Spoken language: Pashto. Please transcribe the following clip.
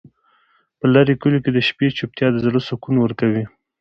په لرې کلیو کې د شپې چوپتیا د زړه سکون ورکوي.